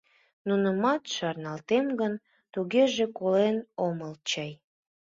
Нунымат шарналтем гын, тугеже, колен омыл чай?